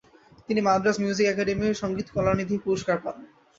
তিনি মাদ্রাজ মিউজিক অ্যাকাডেমির সংগীত কলানিধি পুরস্কার পান।